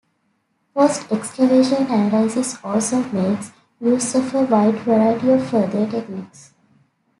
Post-excavation analysis also makes use of a wide variety of further techniques.